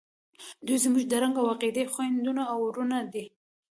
دوئ زموږ د رنګ او عقیدې خویندې او ورونه دي.